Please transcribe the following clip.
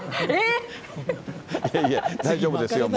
いやいや、大丈夫ですよ、も